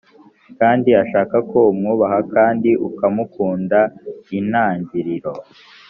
kandi ashaka ko umwubaha kandi ukamukunda intangiriro